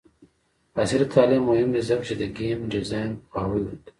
عصري تعلیم مهم دی ځکه چې د ګیم ډیزاین پوهاوی ورکوي.